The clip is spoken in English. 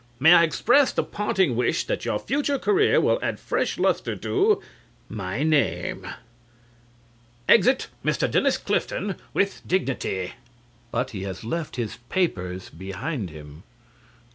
May I express the parting wish that your future career will add fresh lustre to my name. (To himself as he goes out) Exit Mr. Denis Clifton with dignity. (But he has left his papers behind him.)